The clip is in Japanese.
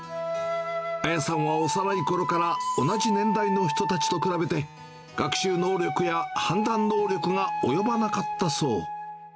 綾さんは幼いころから同じ年代の人たちと比べて、学習能力や判断能力が及ばなかったそう。